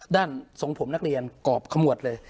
ทรงผมนักเรียนกรอบขมวดเลย